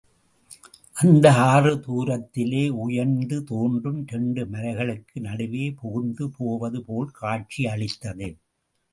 அந்த ஆறு தூரத்திலே உயர்ந்து தோன்றும் இரண்டு மலைகளுக்கு நடுவே புகுந்து போவது போல் காட்சி அளித்தது.